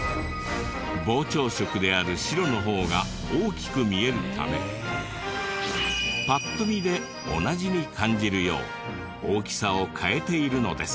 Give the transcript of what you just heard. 膨張色である白の方が大きく見えるためパッと見で同じに感じるよう大きさを変えているのです。